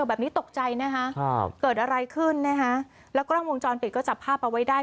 แบบนี้ตกใจนะคะครับเกิดอะไรขึ้นนะฮะแล้วก็วงจรปิดก็จับภาพเอาไว้ได้